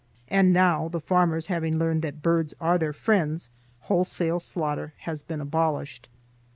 And now the farmers having learned that birds are their friends wholesale slaughter has been abolished.